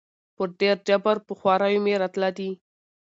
په ډېر جبر په خواریو مي راتله دي